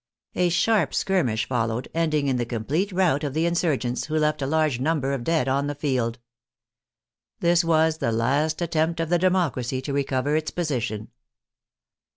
A sharp skirmish fol lowed, ending in the complete rout of the insurgents, who left a large number of dead on the field. This was the last attempt of the democracy to recover its position.